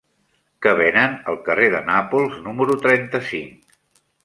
Què venen al carrer de Nàpols número trenta-cinc?